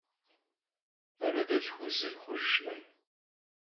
Anedelhxu vuzır xhujjırkhım.